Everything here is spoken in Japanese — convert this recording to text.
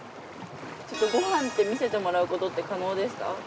ちょっとご飯って見せてもらうことって可能ですか？